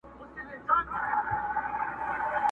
تسلیم کړي یې خانان او جنرالان وه!!